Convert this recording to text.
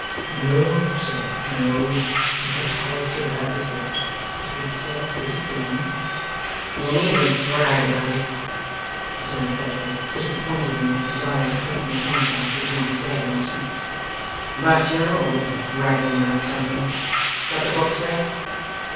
'No, sir, no. Not quite so bad as that. The streets are pretty clean.' 'You needn't brag about it,' returned Fledgeby, disappointed in his desire to heighten the contrast between his bed and the streets. 'But you're always bragging about something. Got the books there?